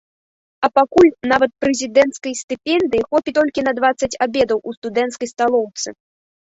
А пакуль нават прэзідэнцкай стыпендыі хопіць толькі на дваццаць абедаў у студэнцкай сталоўцы.